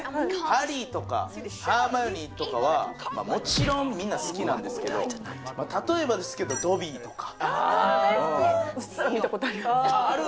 ハリーとかハーマイオニーとかはもちろんみんな好きなんですけど例えばですけどドビーとかああうっすら見たことありますある？